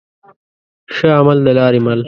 ښه عمل د لاري مل.